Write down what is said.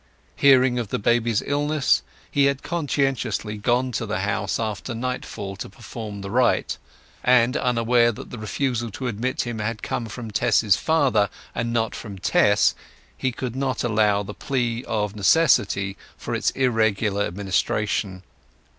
Hearing of the baby's illness, he had conscientiously gone to the house after nightfall to perform the rite, and, unaware that the refusal to admit him had come from Tess's father and not from Tess, he could not allow the plea of necessity for its irregular administration.